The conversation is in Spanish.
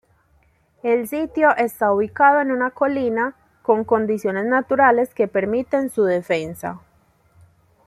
El sitio está ubicado en una colina, con condiciones naturales que permiten su defensa.